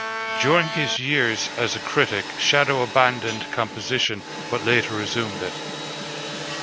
During his years as a critic, Sandow abandoned composition, but later resumed it.